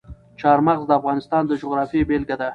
چار مغز د افغانستان د جغرافیې بېلګه ده.